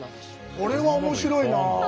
これは面白いなあ。